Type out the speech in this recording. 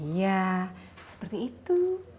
iya seperti itu